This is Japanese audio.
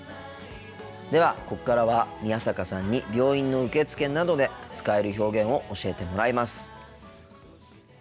ではここからは宮坂さんに病院の受付などで使える表現を教えてもらいます。